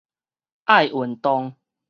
愛運動